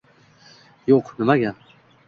Yoʻq, nimaga?